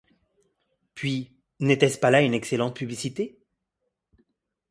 Puis, n'était-ce pas là une excellente publicité?